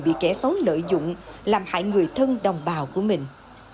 bị kẻ xấu lợi dụng làm hại người thân đồng bào của mình